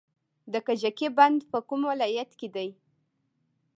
د کجکي بند په کوم ولایت کې دی؟